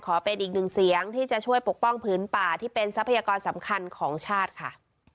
เป็นอีกหนึ่งเสียงที่จะช่วยปกป้องผืนป่าที่เป็นทรัพยากรสำคัญของชาติค่ะ